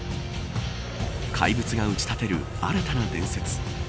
怪物が打ち立てる新たな伝説。